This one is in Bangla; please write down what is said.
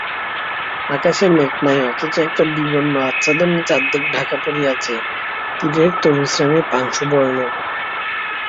আকাশে মেঘ নাই, অথচ একটা বিবর্ণ আচ্ছাদনে চারিদিক ঢাকা পড়িয়াছে-তেীরের তরুশ্রেণী পাংশুবর্ণ।